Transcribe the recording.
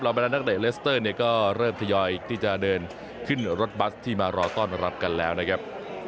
บรรดานักเตะเลสเตอร์เนี่ยก็เริ่มทยอยที่จะเดินขึ้นรถบัสที่มารอต้อนรับกันแล้วนะครับ